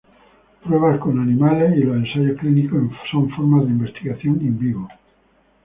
Pruebas con animales y los ensayos clínicos son formas de investigación "in vivo".